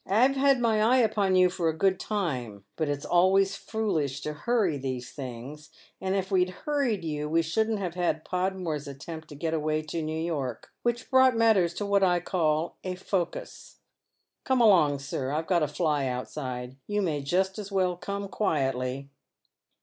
" I've had my eye upon you for a good time ; but it's always foolish to hurry these things, and if we'd hurried you we shouldn't have had Podmore's attempt to get away to New York, which brought matters to what I call a Cbmmitfea for Trial 375 focas. Como alon^, sir, I've got a fly outside. You may just as well come quietly."